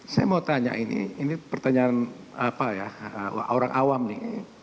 saya mau tanya ini ini pertanyaan apa ya orang awam nih